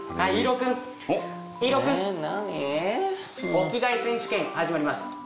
お着替え選手権始まります。